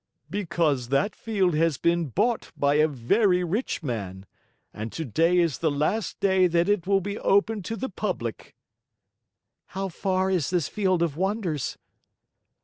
"Because that field has been bought by a very rich man, and today is the last day that it will be open to the public." "How far is this Field of Wonders?"